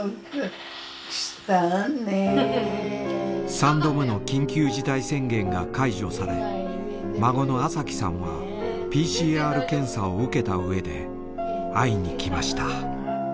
３度目の緊急事態宣言が解除され孫の麻季さんはＰＣＲ検査を受けた上で会いに来ました。